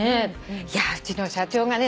「いやうちの社長がね